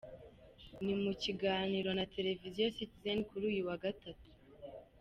Ni mu kiganiro na televiziyo Citizen kuri uyu wa Gatatu.